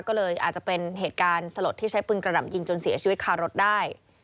ก็เลยอาจจะเป็นเหตุการณ์สลดที่ใช้ปืนกระหน่ำยิงจนเสียชีวิตคารถได้